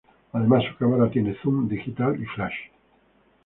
Además su cámara tiene zoom digital y flash.